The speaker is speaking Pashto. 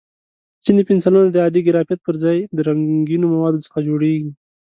ځینې پنسلونه د عادي ګرافیت پر ځای د رنګینو موادو څخه جوړېږي.